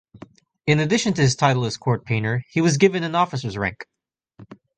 In addition to his title as court painter, he was given an officer's rank.